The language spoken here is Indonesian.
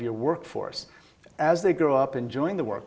kurang dari kekuatan otak